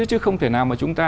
chứ không thể nào mà chúng ta